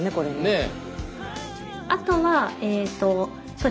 ねえ。